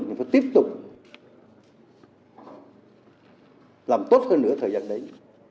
nhưng phải tiếp tục làm tốt hơn nữa thời gian đấy